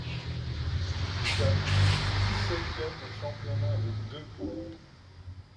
Il termine dix-septième du championnat avec deux points.